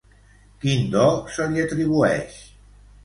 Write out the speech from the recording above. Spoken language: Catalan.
Quin do se li atribueix?